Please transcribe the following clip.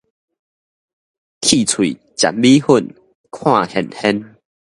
缺喙食米粉，看現現